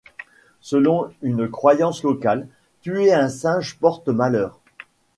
Selon une croyance locale, tuer un singe porte malheur.